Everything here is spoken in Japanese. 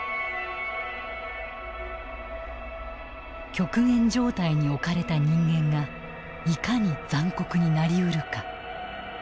極限状態に置かれた人間がいかに残酷になりうるか。